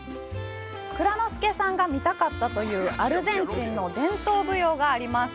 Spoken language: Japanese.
蔵之介さんが見たかったというアルゼンチンの伝統舞踊があります。